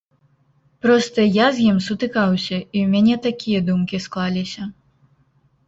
Проста я з ім сутыкаўся і ў мяне такія думкі склаліся.